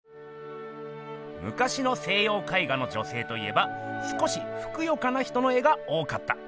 むかしの西よう絵画の女性といえば少しふくよかな人の絵が多かった。